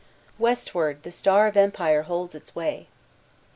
'Westward the Star of Empire holds its way.